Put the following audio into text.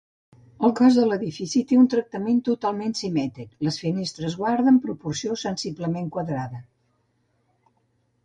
El cos de l'edifici té un tractament totalment simètric, les finestres guarden proporció sensiblement quadrada.